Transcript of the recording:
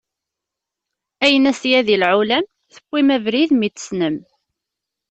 Ayen a syadi lɛulam, tawim abrid mi t-tessnem.